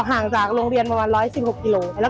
หื้อหื้อหื้อหื้อ